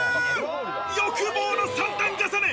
欲望の３段重ね！